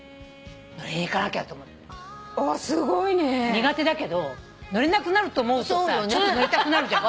苦手だけど乗れなくなると思うとちょっと乗りたくなるじゃん。